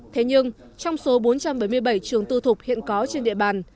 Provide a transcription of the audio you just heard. thế nhưng trong số bốn trăm bảy mươi bảy trường tư thục hiện có trên địa bàn